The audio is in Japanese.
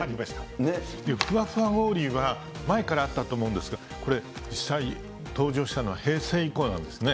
ふわふわ氷は、前からあったと思うんですが、これ、実際登場したのは平成以降なんですね。